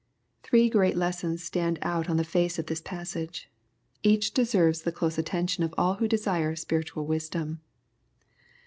Thbke great lessons stand oat on the face of this passage. Each deserves the close attention of all who desire spiritual wisdom.